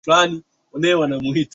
id la joto ya kwanza ya safari